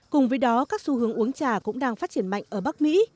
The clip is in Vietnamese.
cùng với đó các xu hướng uống trà cũng đang phát triển mạnh ở bắc mỹ